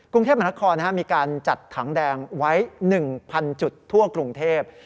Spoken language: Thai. กรุงเทพมหานครมีการจัดถังแดงไว้๑๐๐จุดทั่วกรุงเทพ